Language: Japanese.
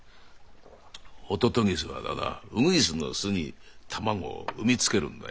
ホトトギスはだなウグイスの巣に卵を産み付けるんだよ。